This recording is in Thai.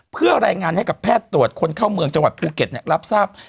เพื่อรายงานให้กับแพทย์ตรวจคนเข้าเมืองจังหวัดภูเก็ตรับทราบ